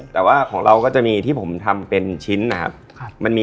แต่ว่าของเราก็จะมีที่ผมทำเป็นชิ้นนะครับ